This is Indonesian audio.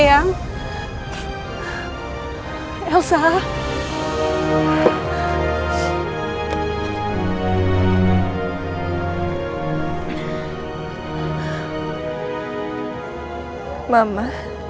mbak andien dari mana